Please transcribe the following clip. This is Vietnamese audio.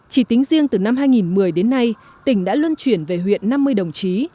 chỉ tính riêng từ năm hai nghìn một mươi đến nay tỉnh đã luân chuyển về huyện năm mươi đồng chí